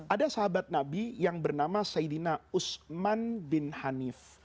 ada sahabat nabi yang bernama saidina usman bin hanif